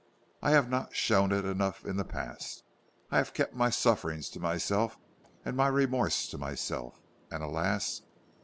I have not shown it enough in the past. I have kept my sufferings to myself, and my remorse to myself, and alas!